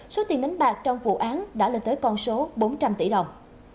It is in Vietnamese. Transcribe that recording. số tiền đánh bạc trong vụ án đã lên tới con số bốn trăm linh tỷ đồng